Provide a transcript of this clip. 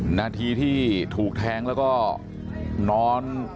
นาทีที่ถูกแทงแล้วก็นอน